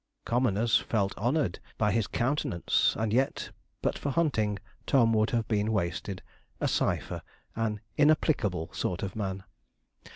Commoners felt honoured by his countenance, and yet, but for hunting, Tom would have been wasted a cypher an inapplicable sort of man.